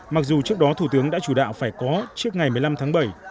mặc dù trước đó thủ tướng đã chủ đạo phải có trước ngày một mươi năm tháng bảy